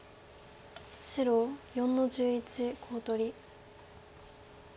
白４の十一コウ取り。